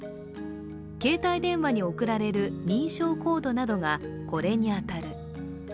携帯電話に送られる認証コードなどがこれに当たる。